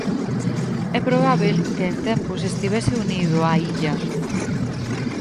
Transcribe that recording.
É probábel que en tempos estivese unido á Illa.